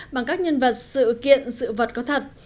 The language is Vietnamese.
bằng các nhân vật sự kiện sự vật có thật